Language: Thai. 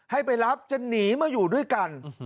ให้ไปรับจะหนีมาอยู่ด้วยกัน